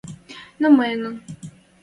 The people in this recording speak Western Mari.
Но мӹньӹн